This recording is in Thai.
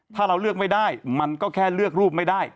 ถ้าเราเลือกไม่ได้มันก็แค่เลือกรูปไม่ได้